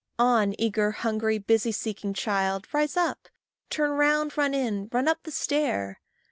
On, eager, hungry, busy seeking child, Rise up, turn round, run in, run up the stair.